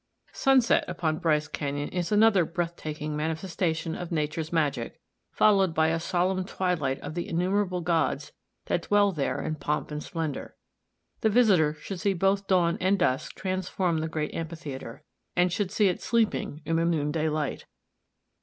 Sunset upon Bryce Canyon is another breath taking manifestation of Nature's magic, followed by a solemn twilight of the innumerable gods that dwell there in pomp and splendor. The visitor should see both dawn and dusk transform the great amphitheatre, and should see it sleeping in the noonday light.